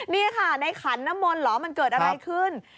นี่ค่ะในขันน้ำมนต์เหรอมันเกิดอะไรขึ้น